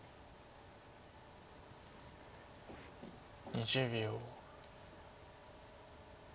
２０秒。